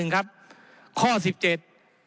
ข้อสิบเจ็ด